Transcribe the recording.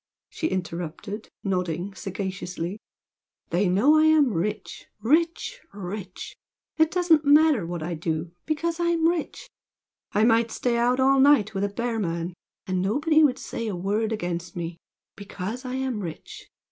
she interrupted, nodding sagaciously "They know I am rich rich rich! It doesn't matter what I do, because I am rich! I might stay out all night with a bear man, and nobody would say a word against me, because I am rich!